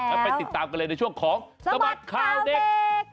แล้วไปติดตามกันเลยในช่วงของสบัดข่าวเด็ก